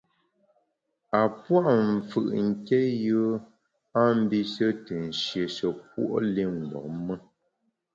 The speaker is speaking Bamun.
A pua’ mfù’ nké yùe a mbishe te nshieshe puo’ li mgbom me.